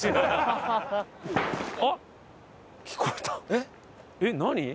えっ何？